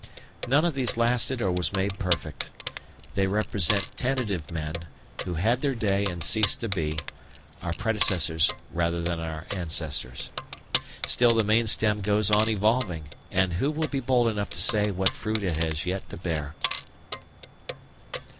None of these lasted or was made perfect. They represent tentative men who had their day and ceased to be, our predecessors rather than our ancestors. Still, the main stem goes on evolving, and who will be bold enough to say what fruit it has yet to bear!